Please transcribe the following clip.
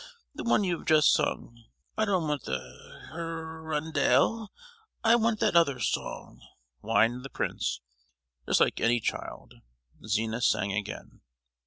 the one you have just sung. I don't want the Hir—ondelle! I want that other song," whined the prince, just like any child. Zina sang again.